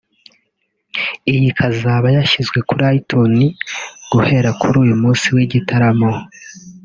iyi ikazaba yanashyizwe kuri iTunes guhera kuri uyu munsi w’igitaramo